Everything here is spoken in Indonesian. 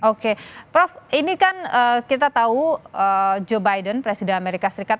oke prof ini kan kita tahu joe biden presiden amerika serikat